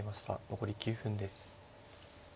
残り９分です。